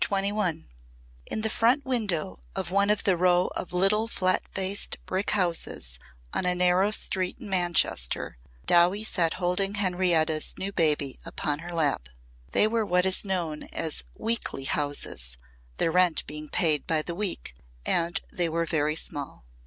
CHAPTER XXI In the front window of one of the row of little flat faced brick houses on a narrow street in Manchester, Dowie sat holding Henrietta's new baby upon her lap. They were what is known as "weekly" houses, their rent being paid by the week and they were very small.